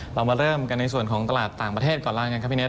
เรามาเริ่มกันในส่วนของตลาดต่างประเทศก่อนแล้วกันครับพี่เน